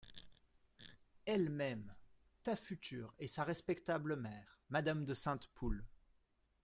Elles-mêmes… ta future et sa respectable mère, madame de Sainte-Poule…